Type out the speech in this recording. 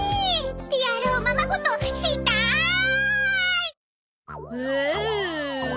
リアルおままごとしたい！